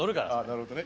なるほどね。